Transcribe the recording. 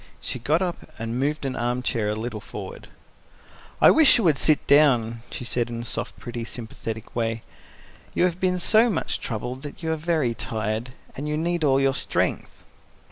She got up and moved an arm chair a little forward. "I wish you would sit down," she said in a soft, pretty, sympathetic way. "You have been so much troubled that you are very tired, and you need all your strength."